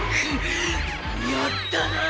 やったなあ！